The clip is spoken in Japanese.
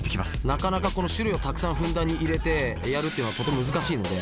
なかなかこの種類をたくさんふんだんに入れてやるっていうのはとても難しいので。